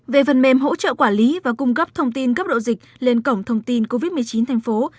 về phần mềm hỗ trợ quản lý và cung cấp thông tin cấp độ dịch lên cổng thông tin covid một mươi chín thành phố